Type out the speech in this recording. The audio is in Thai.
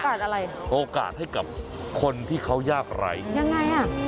อะไรโอกาสให้กับคนที่เขายากไร้ยังไงอ่ะ